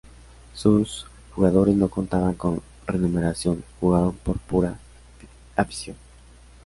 Sus jugadores no contaban con remuneración, jugaban por pura afición.